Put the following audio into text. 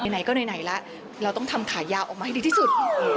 ไหนก็ไหนละเราต้องทำขายาวออกมาให้ดีที่สุด